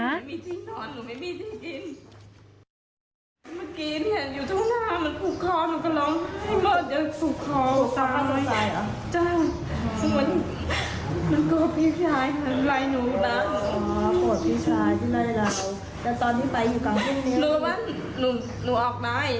แต่ตอนที่ไปอยู่กลางที่นี่รู้ว่าหนูออกได้